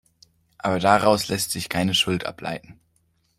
Aber daraus lässt sich keine Schuld ableiten.